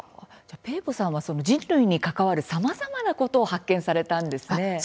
ペーボさんは人類に関わるさまざまなことを発見されたんですね。